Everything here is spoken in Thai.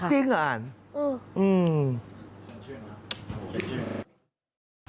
จริงเหรออันอืมอืม